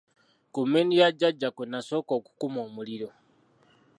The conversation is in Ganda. Ku mmindi ya Jjajja kwe nasooka okukuma omuliro.